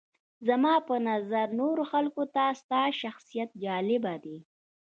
زما په نظر نورو خلکو ته ستا شخصیت جالبه دی.